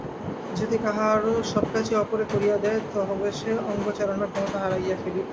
যদি কাহারও সব কাজই অপরে করিয়া দেয়, তবে সে অঙ্গচালনার ক্ষমতা হারাইয়া ফেলিবে।